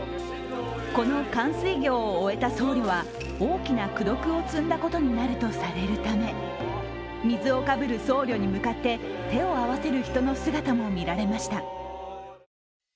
この寒水行を終えた僧侶は、大きな功徳を積んだことになるとされるため、水をかぶる僧侶に向かって手を合わせる人の姿も見られました。